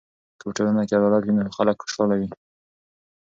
که په ټولنه کې عدالت وي نو خلک خوشحاله وي.